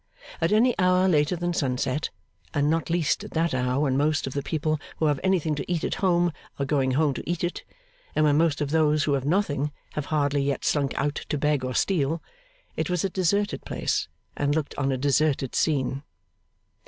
At any hour later than sunset, and not least at that hour when most of the people who have anything to eat at home are going home to eat it, and when most of those who have nothing have hardly yet slunk out to beg or steal, it was a deserted place and looked on a deserted scene.